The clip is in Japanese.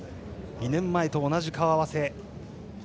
２年前と同じ顔合わせ。